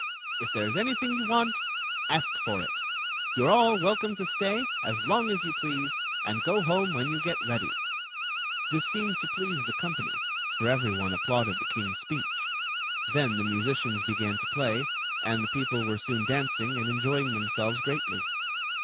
If there s anything you want, ask for it. You re all welcome to stay as long as you please and go home when you get ready." IT *... 102 Queen Zixi of Ix This seemed to please the company, for every one applauded the king's speech. Then the musicians began to play, and the people were soon dancing and enjoying themselves greatly.